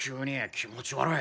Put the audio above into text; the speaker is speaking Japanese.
気持ち悪い。